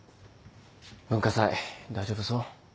文化祭大丈夫そう？